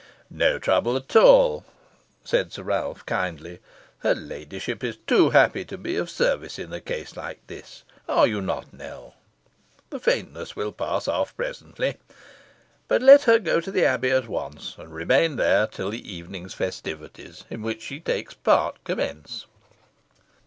"No trouble at all," said Sir Ralph, kindly; "her ladyship is too happy to be of service in a case like this. Are you not, Nell? The faintness will pass off presently. But let her go to the Abbey at once, and remain there till the evening's festivities, in which she takes part, commence.